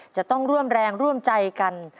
จะต้องร่วมแรงร่วมใจกัน